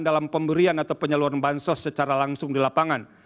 dalam pemberian atau penyaluran bansos secara langsung di lapangan